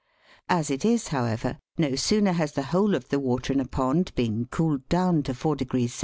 As it is, however, no sooner has the whole of the water in a pond been cooled down to 4 C.